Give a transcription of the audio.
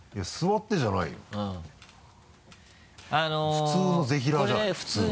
普通のぜひらーじゃない普通の。